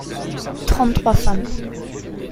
Trente-trois femmes.